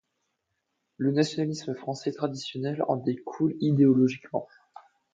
Le nationalisme français traditionnel en découle idéologiquement.